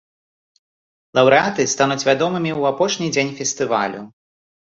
Лаўрэаты стануць вядомымі ў апошні дзень фестывалю.